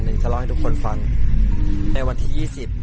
ช่วงเวลาที่โดยจอดพักนะครับ